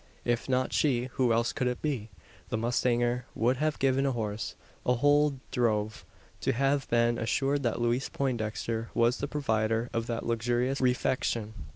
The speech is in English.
If not she, who else could it be? The mustanger would have given a horse a whole drove to have been assured that Louise Poindexter was the provider of that luxurious refection.